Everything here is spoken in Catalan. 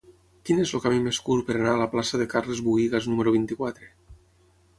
Quin és el camí més curt per anar a la plaça de Carles Buïgas número vint-i-quatre?